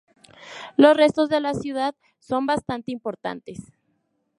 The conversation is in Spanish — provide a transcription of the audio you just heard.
Los restos de la ciudad son bastante importantes.